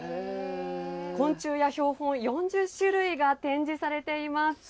昆虫や標本、４０種類が展示されています。